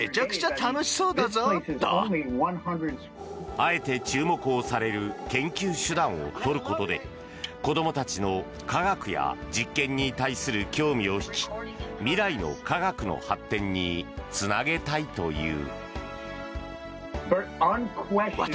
あえて注目をされる研究手段を取ることで子どもたちの科学や実験に対する興味を引き未来の科学の発展につなげたいという。